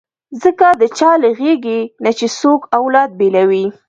ځکه د چا له غېږې نه چې څوک اولاد بېلوي.